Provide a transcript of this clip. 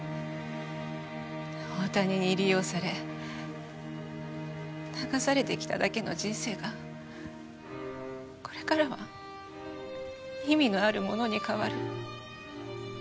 大谷に利用され流されてきただけの人生がこれからは意味のあるものに変わる。